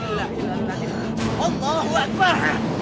allah allahu akbar